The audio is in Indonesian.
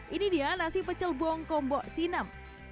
ini dia nasi pecel bongkong bok sinem